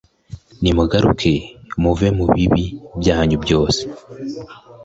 nimugaruke muve mu bibi byanyu byose ibibi